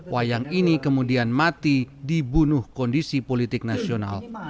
wayang ini kemudian mati dibunuh kondisi politik nasional